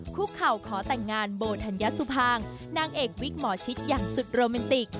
คุกเข่าขอแต่งงานโบธัญสุภางนางเอกวิกหมอชิตอย่างสุดโรแมนติก